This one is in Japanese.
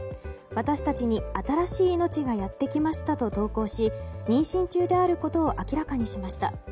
私たちに新しい命がやってきましたと投稿し妊娠中であることを明らかにしました。